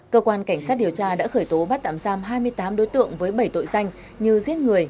cơ quan cảnh sát điều tra đã khởi tố bắt tạm giam hai mươi tám đối tượng với bảy tội danh như giết người